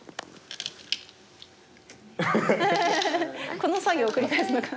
この作業を繰り返すのかな。